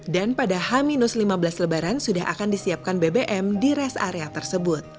dan pada h lima belas lebaran sudah akan disiapkan bbm di res area tersebut